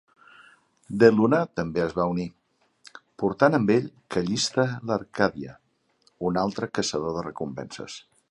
DeLuna també es va unir, portant amb ell Callista Larkadia, un altre caçador de recompenses.